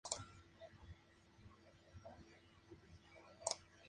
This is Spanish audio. Formaron un gran número de colonias catalanas que hoy siguen manteniendo la lengua catalana.